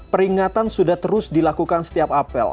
peringatan sudah terus dilakukan setiap apel